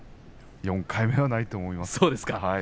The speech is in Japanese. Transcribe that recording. ４回目はないと思います。